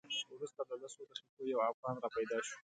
وروسته له لسو دقیقو یو افغان را پیدا شو.